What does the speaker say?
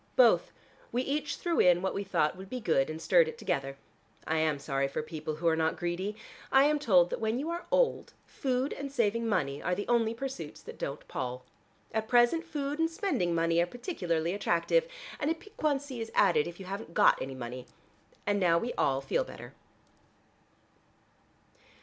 "Both. We each threw in what we thought would be good, and stirred it together. I am sorry for people who are not greedy. I am told that when you are old, food and saving money are the only pursuits that don't pall. At present food and spending money are particularly attractive, and a piquancy is added if you haven't got any money. And now we all feel better."